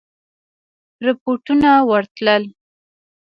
رپوټونه ورتلل.